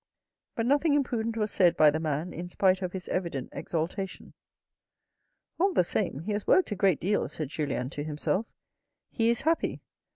But nothing imprudent was said by the man in spite of his evident exaltation. " All the same he has worked a great deal," said Julien to himself. " He is happy.